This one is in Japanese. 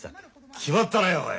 決まったねおい。